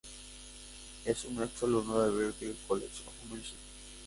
Es un ex alumno de Berklee College of Music.